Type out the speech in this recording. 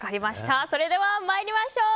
それでは参りましょう。